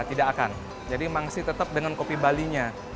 tidak akan jadi mangsih tetap dengan kopi bali nya